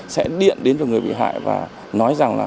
sẽ điện đến được người bị hại và nói rằng là